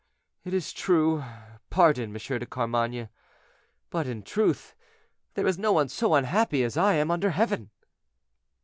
"It is true; pardon, M. de Carmainges; but, in truth, there is no one so unhappy as I am under heaven."